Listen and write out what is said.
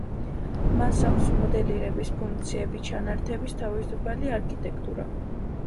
მას აქვს მოდელირების ფუნქციები, ჩანართების თავისუფალი არქიტექტურა.